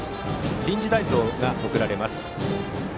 臨時代走が送られます。